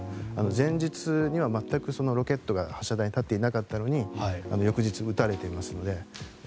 前日には全くロケットが発射台に立っていなかったのに翌日、打たれていますので。